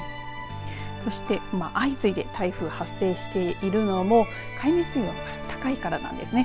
そして相次いで台風が発生しているのも海面水温が高いからなんですね。